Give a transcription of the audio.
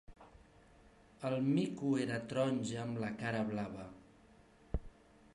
El mico era taronja amb la cara blava.